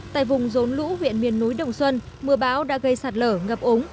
tại vùng rốn lũ huyện miền núi đồng xuân mưa bão đã gây sạt lở ngập ống